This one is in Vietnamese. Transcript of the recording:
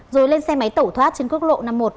rồi lên xe máy tẩu thoát trên quốc lộ năm mươi một